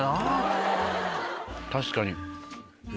確かに。